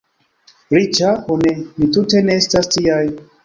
Riĉa? Ho ne, ni tute ne estas tiaj.